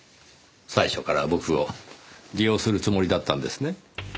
最初から僕を利用するつもりだったんですね？